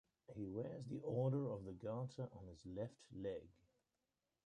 He wears the Order of the Garter on his left leg.